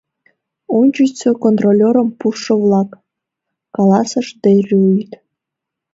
— Ончычсо контролёрым пуштшо-влак, — каласыш де Рюйт.